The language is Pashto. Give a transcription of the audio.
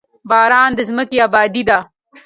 باران د ځمکې ابادي ده.